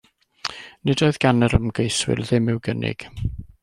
Nid oedd gan yr ymgeiswyr ddim i'w gynnig.